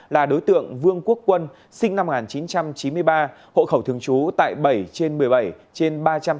là đối tượng vương quốc quân sinh năm một nghìn chín trăm chín mươi ba hộ khẩu thường trú tại bảy trên một mươi bảy trên ba trăm hai mươi